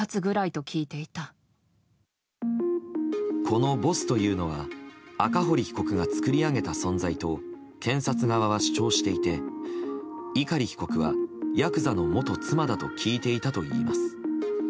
このボスというのは赤堀被告が作り上げた存在と検察側は主張していて碇被告はヤクザの元妻だと聞いていたといいます。